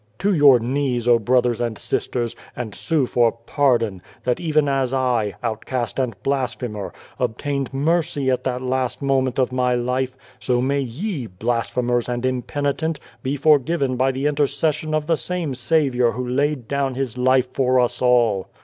" To your knees, O brothers and sisters, and 52 God and the Ant sue for pardon, that even as I outcast and blasphemer obtained mercy at that last moment of my life, so may ye, blasphemers and impenitent, be forgiven by the inter cession of the same Saviour who laid down His life for us all!"